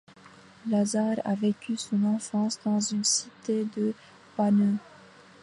Lazare a vécu son enfance dans une cité de Bagneux.